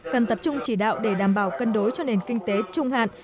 cần tập trung chỉ đạo để đảm bảo cân đối cho nền kinh tế trung hạn